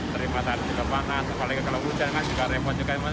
terima kasih juga panas apalagi kalau hujan kan juga repot juga emang